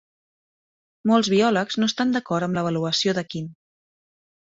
Molt biòlegs no estan d'acord amb l'avaluació de Quinn.